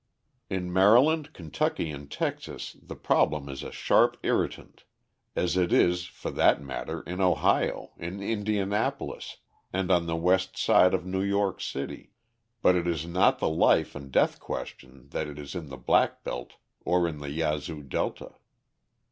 In Maryland, Kentucky, and Texas the problem is a sharp irritant as it is, for that matter, in Ohio, in Indianapolis, and on the west side of New York City but it is not the life and death question that it is in the black belt or in the Yazoo delta.